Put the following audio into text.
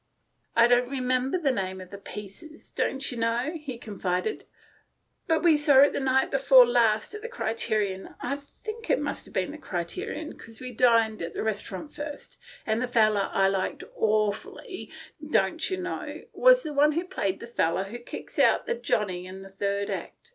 " I don't remember the name of the piece, don't you know," he confided, "but we saw it the night before last at the Criterion — I think it must have been the Criterion, because we dined in the restaurant first — and the feller I liked awfully, don't you know, was the one who played the feller who kicks out the Johnnie in the third act.